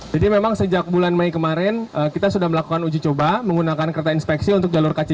jadi memang sejak bulan mei kemarin kita sudah melakukan uji coba menggunakan kereta inspeksi untuk jalur kcic